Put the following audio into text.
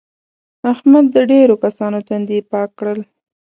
احمد د ډېرو کسانو تندي پاک کړل.